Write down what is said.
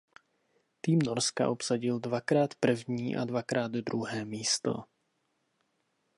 Tým Norska obsadil dvakrát první a dvakrát druhé místo.